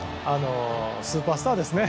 スーパースターですね。